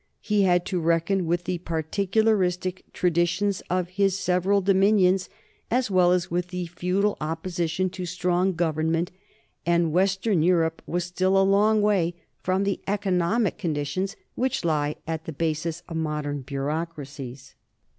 He had to reckon with the particularistic traditions of his several dominions as well as with the feudal oppo sition to strong government, and western Europe was still a long way from the economic conditions which lie at the basis of modern bureaucracies.